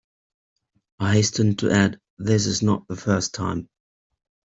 I hasten to add, this is not the first time.